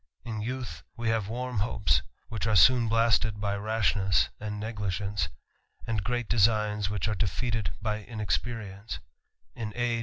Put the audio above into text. * In youth, we ha ve w arm hopes^ which are soon blasted by rashness^ an d neglige nce, agi great designs, which are defeated by inexpeofigce.